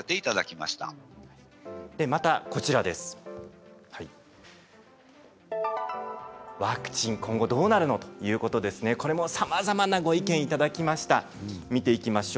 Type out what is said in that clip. またこちらワクチン、今後どうなるかということなんですがさまざまなご意見をいただきました。